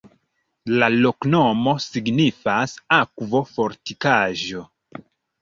La loknomo signifas: akvo-fortikaĵo.